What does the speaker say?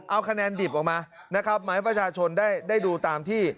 เอาคะแนนดิบออกมานะครับมาให้ประชาชนได้ดูตามที่